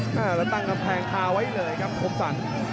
แล้วตั้งกำแพงคาไว้เลยครับคมสรร